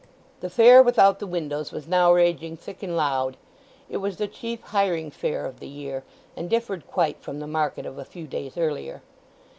The fair without the windows was now raging thick and loud. It was the chief hiring fair of the year, and differed quite from the market of a few days earlier.